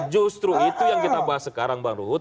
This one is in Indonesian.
justru itu yang kita bahas sekarang bang ruhut